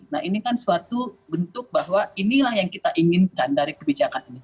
nah ini kan suatu bentuk bahwa inilah yang kita inginkan dari kebijakan ini